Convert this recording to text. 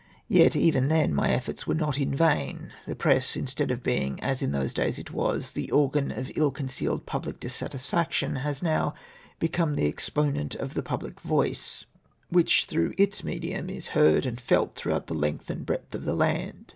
Yet even then my efforts were not in vain. The press, instead of being, as in those days it was, the organ of ill concealed public dissatisfaction, has now become the exponent of the public voice ; wdiich, through its medium, is heard and felt throughout the length and breadth of the land.